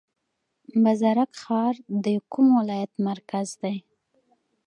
بازارک ښار د کوم ولایت مرکز دی؟